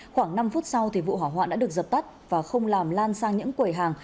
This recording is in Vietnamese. khoảng năm phút sau vụ hỏa hoạn đã được dập tắt và không làm lan sang những quầy hàng